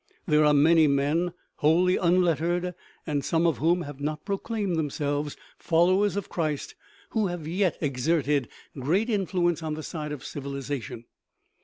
There are many men wholly unlettered, and some of whom have not proclaimed themselves followers of Christ, who have yet exerted great influence on the side of civilization.